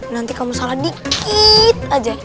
nanti kamu salah dikit aja